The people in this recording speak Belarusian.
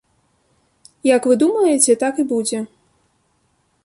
Як вы думаеце, так і будзе.